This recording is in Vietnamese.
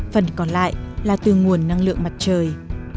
phần còn lại là từ nguồn năng lượng mặt trời